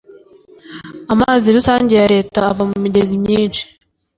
Amazi rusange ya Leta ava mumigezi myishi.